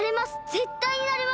ぜったいなれます！